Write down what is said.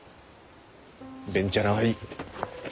べんちゃらはいい。